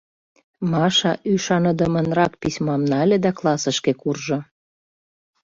Маша ӱшаныдымынрак письмам нале да классышке куржо.